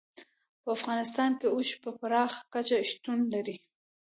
په افغانستان کې اوښ په پراخه کچه شتون لري.